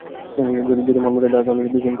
যদি মন পাল্টান, দুজনে অর্ধেক ভাগ করে নেবো।